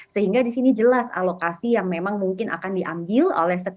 sehingga di sini jelas alokasi yang memang mungkin akan diambil oleh sekolah